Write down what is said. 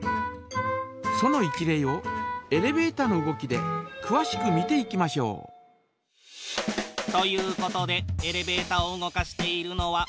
その一例をエレベータの動きでくわしく見ていきましょう。ということでエレベータを動かしているのは。